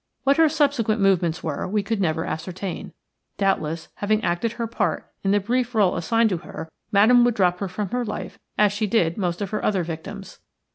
What her subsequent movements were we could never ascertain. Doubtless, having acted her part in the brief role assigned to her, Madame would drop her from her life as she did most of her other victims.